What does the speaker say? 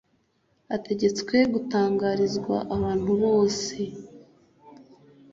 ategetswe gutangarizwa abantu bose